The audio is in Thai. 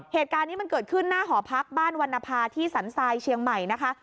เหตุการณ์นี้มันเกิดขึ้นหน้าหอพักบ้านวรรณภาที่สันทรายเชียงใหม่นะคะ